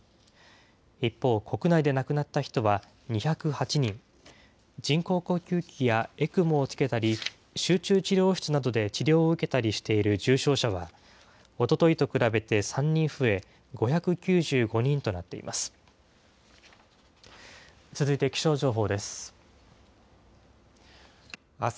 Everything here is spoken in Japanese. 一方、国内で亡くなった人は２０８人、人工呼吸器やＥＣＭＯをつけたり、集中治療室などで治療を受けたりしている重症者は、おとといと比べて３人増え、５９５人となっています。